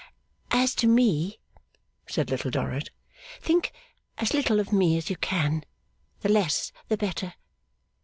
'As to me,' said Little Dorrit, 'think as little of me as you can; the less, the better.